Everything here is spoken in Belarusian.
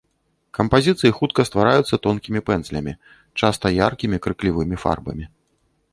Кампазіцыі хутка ствараюцца тонкімі пэндзлямі, часта яркімі крыклівымі фарбамі.